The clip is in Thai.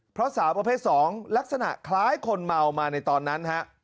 เพราะสาวประเภท๒ลักษณะคล้ายคนเมามาในตอนนั้นฮะ